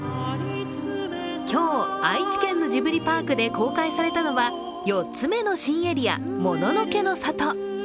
今日、愛知県のジブリパークで公開されたのは、４つ目の新エリア、もののけの里。